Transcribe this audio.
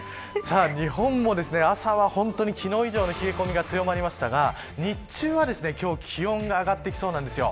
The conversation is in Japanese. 日本も朝は、昨日以上に冷え込みが強まりましたが日中は今日気温が上がってきそうなんです。